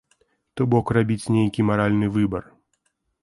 То бок рабіць нейкі маральны выбар.